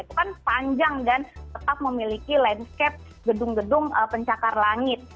itu kan panjang dan tetap memiliki landscape gedung gedung pencakar langit